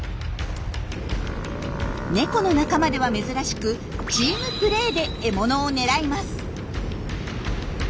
ネコの仲間では珍しくチームプレーで獲物を狙います。